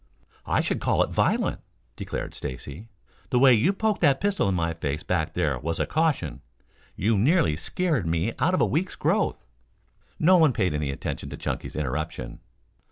"I should call it violent," declared Stacy. "The way you poked that pistol in my face back there was a caution. You nearly scared me out of a week's growth." No one paid any attention to Chunky's interruption.